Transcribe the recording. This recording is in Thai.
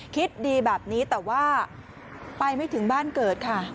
คิดดีแบบนี้แต่ว่าไปไม่ถึงบ้านเกิดค่ะ